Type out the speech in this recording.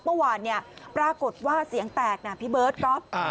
เมื่อวานเนี่ยปรากฏว่าเสียงแตกนะพี่เบิร์ตก๊อฟ